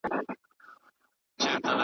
د تعلیم او د پوهني په زور کېږي .